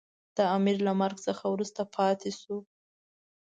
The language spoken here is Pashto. د امیر له مرګ څخه وروسته پاته شو.